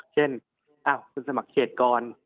เช่นอ้าวก็สมัครเขตก่อน